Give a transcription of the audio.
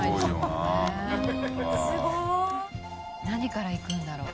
何からいくんだろう？